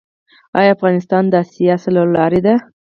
آیا افغانستان د اسیا څلور لارې ده؟